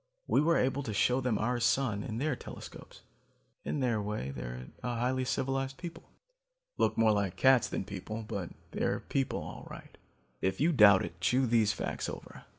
We were able to show them our sun, in their telescopes. In their way, they're a highly civilized people. Look more like cats than people, but they're people all right. If you doubt it, chew these facts over.